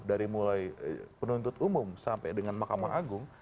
dari mulai penuntut umum sampai dengan mahkamah agung